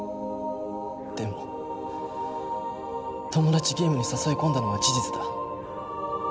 でもトモダチゲームに誘い込んだのは事実だ。